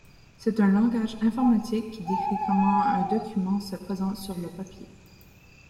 C'est un langage informatique qui décrit comment un document se présente sur le papier.